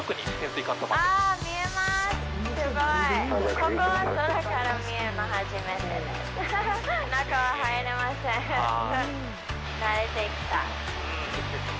ここを空から見るの初めてです。